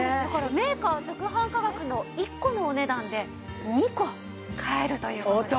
メーカー直販価格の１個のお値段で２個買えるという事ですから。